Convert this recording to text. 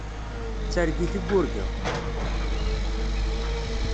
D targit i yurga.